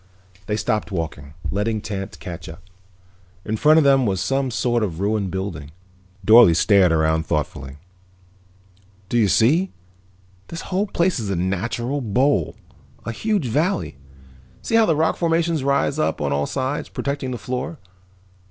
They stopped walking, letting Tance catch up. In front of them was some sort of a ruined building. Dorle stared around thoughtfully. "Do you see? This whole place is a natural bowl, a huge valley. See how the rock formations rise up on all sides, protecting the floor.